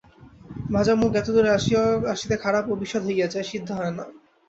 ভাজা মুগ এতদূর আসিতে খারাপ ও বিস্বাদ হইয়া যায়, সিদ্ধ হয় না।